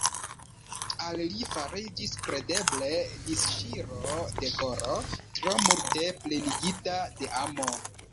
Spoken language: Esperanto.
Al li fariĝis kredeble disŝiro de koro, tro multe plenigita de amo.